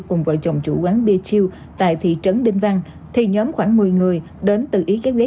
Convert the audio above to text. cùng vợ chồng chủ quán bia chiêu tại thị trấn đinh văn thì nhóm khoảng một mươi người đến tự ý các ghế